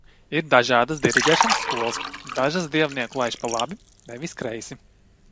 Ir dažādas diriģēšanas skolas. Dažas dievnieku laiž pa labi, nevis kreisi.